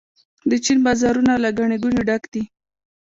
د چین بازارونه له ګڼې ګوڼې ډک دي.